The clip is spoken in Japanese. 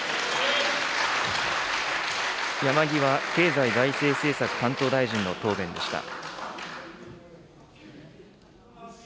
山際経済財政政策担当大臣の答弁でした。